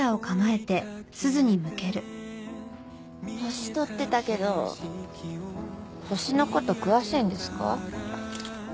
星撮ってたけど星の事詳しいんですか？